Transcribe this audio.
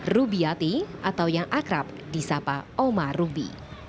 rubiati atau yang akrab di sapa oma rubi